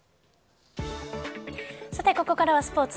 ここからはスポーツ。